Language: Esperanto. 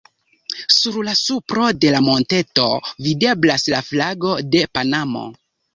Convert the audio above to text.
Sur la supro de la monteto, videblas la flago de Panamo.